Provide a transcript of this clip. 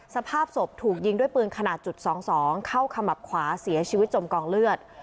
สภาพศพถูกยิงด้วยปืนขนาดจุด๒๒เข้าขมับขวาเสียชีวิตจมกองเลือด